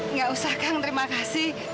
nggak usah kang terima kasih